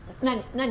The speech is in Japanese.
何？